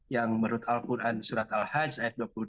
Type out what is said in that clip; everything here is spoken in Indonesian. yang menurut al quran surat al hajj ayat dua puluh dua